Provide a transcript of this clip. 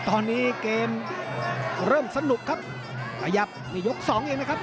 ตอนนี้เกมเริ่มสนุกครับขยับนี่ยกสองเองนะครับ